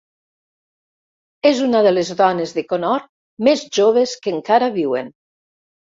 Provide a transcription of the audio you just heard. És una de les dones de conhort més joves que encara viuen.